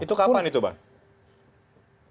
itu kapan itu pak